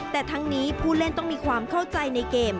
แต่ทั้งนี้ผู้เล่นต้องมีความเข้าใจในเกม